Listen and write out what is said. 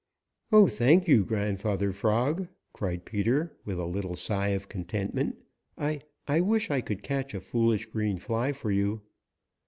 "Oh, thank you, Grandfather Frog," cried Peter with a little sigh of contentment. "I I wish I could catch a foolish green fly for you."